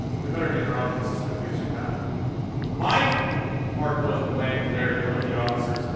We'd better get her out of this as quickly as we can." "Mike!" Hard Boiled Bland glared at one of the officers.